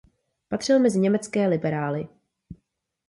Patřil mezi německé liberály.